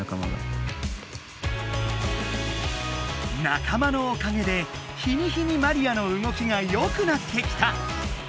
仲間のおかげで日に日にマリアの動きがよくなってきた。